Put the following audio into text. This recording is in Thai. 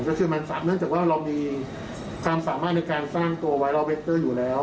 ก็คือมันเนื่องจากว่าเรามีความสามารถในการสร้างตัวไว้รอเวคเตอร์อยู่แล้ว